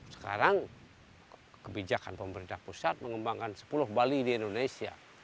sekarang kebijakan pemerintah pusat mengembangkan sepuluh bali di indonesia